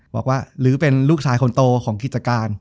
หรือเป็นลูกชายคนโตของกิจการ